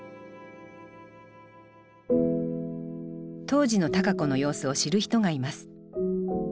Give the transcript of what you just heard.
当時の多佳子の様子を知る人がいます。